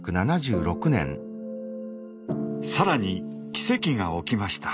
さらに奇跡が起きました。